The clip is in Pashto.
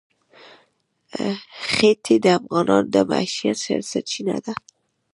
ښتې د افغانانو د معیشت سرچینه ده.